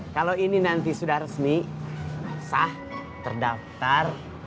kalau ini nanti sudah resmi sah terdaftar